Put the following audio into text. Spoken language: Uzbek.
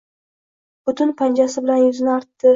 butun panjasi bilan yuzini artdi.